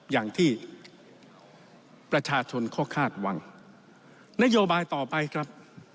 อย่างที่ประชาชนเขาคาดหวังนโยบายต่อไปครับ